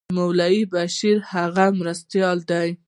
مولوي بشیر د هغه مرستیال دی.